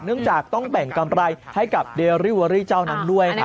เนื่องจากต้องแบ่งกำไรให้กับเดริเวอรี่เจ้านั้นด้วยครับ